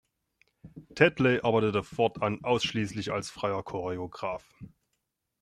Tetley arbeitete fortan ausschließlich als freier Choreograf.